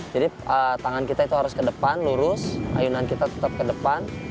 jadi tangan kita itu harus ke depan lurus ayunan kita tetap ke depan